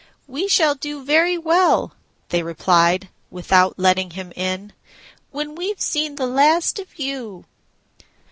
"We shall do very well," they replied, without letting him in, "when we've seen the last of you."